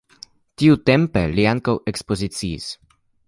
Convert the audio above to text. Tiutempe li ankaŭ ekspoziciis.